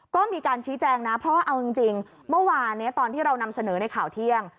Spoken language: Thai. ก็มีการชี้แจงนะเพราะเอาจริงเมื่อวานตอนที่เรานำเสนอในข่าวเที่ยง